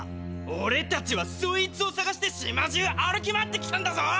おれたちはそいつをさがして島中歩き回ってきたんだぞ！